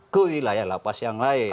ke wilayah lapas yang lain